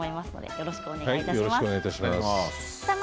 よろしくお願いします。